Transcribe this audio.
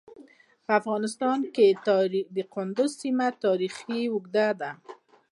په افغانستان کې د کندز سیند تاریخ اوږد دی.